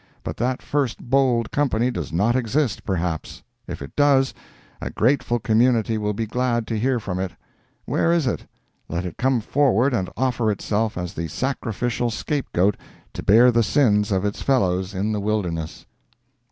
But that first bold Company does not exist, perhaps; if it does, a grateful community will be glad to hear from it. Where is it? Let it come forward and offer itself as the sacrificial scape goat to bear the sins of its fellows into the wilderness."